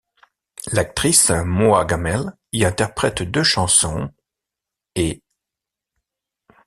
L'actrice Moa Gammel y interprète deux chansons, ' et '.